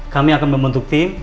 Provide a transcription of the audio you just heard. kami akan membentuk tim